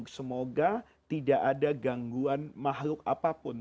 semoga tidak ada gangguan makhluk apapun